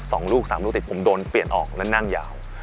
สองลูกสามลูกติดผมโดนเปลี่ยนออกและนั่งยาว